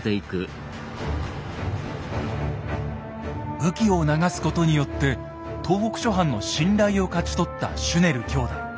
武器を流すことによって東北諸藩の信頼を勝ち取ったシュネル兄弟。